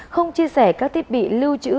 không chia sẻ các thiết bị lưu trữ